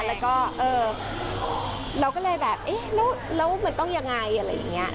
แล้วก็เออเราก็เลยแบบเอ๊ะแล้วมันต้องยังไงอะไรอย่างนี้